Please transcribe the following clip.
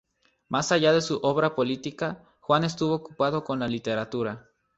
Más allá de su obra política, Juan estuvo ocupado con la literatura.